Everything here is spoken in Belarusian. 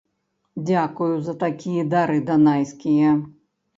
Дзякую за такія дары данайскія!